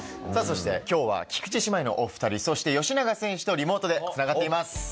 そして今日は菊池姉妹のお２人そして吉永選手とリモートでつながっています。